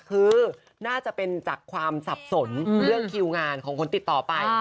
คือน่าจะเป็นจากความสับสนเรื่องคิวงานของคนติดต่อไป